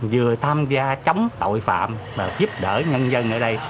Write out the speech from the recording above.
vừa tham gia chống tội phạm vừa giúp đỡ nhân dân ở đây